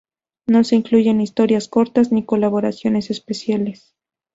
No se incluyen historias cortas ni colaboraciones especiales.